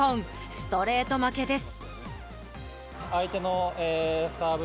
ストレート負けです。